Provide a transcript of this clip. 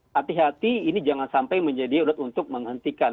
hati hati ini jangan sampai menjadi urut untuk menghentikan